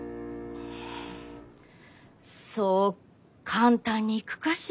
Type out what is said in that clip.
んそう簡単にいくかしら？